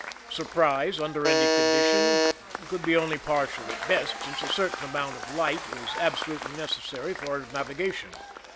Surprise, under any condition, could be only partial at best, since a certain amount of light was absolutely necessary for navigation.